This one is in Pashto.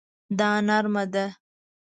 دا نرمه ده